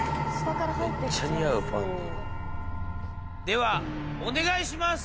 ではお願いします。